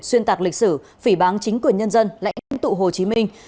xuyên tạc lịch sử phỉ bán chính quyền nhân dân lãnh tụ hồ chí minh